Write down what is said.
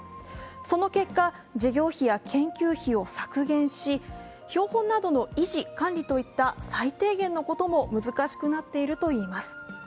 その結果、事業費や研究費を削減し標本などの維持・管理といった最低限のことも難しくなっているといいます。